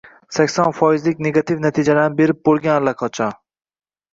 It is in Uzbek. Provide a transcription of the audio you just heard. sakson foizik negativ natijalarni berib bo‘lgan allaqachon.